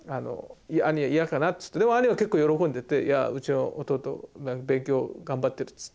兄は嫌かなってでも兄は結構喜んでて「いやあうちの弟勉強頑張ってる」っつって。